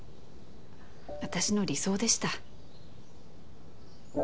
私の理想でした。